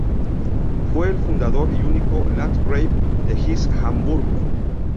Fue el fundador y único Landgrave de Hesse-Marburgo.